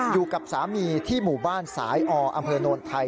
อยู่กับสามีที่หมู่บ้านสายออำเภอโนนไทย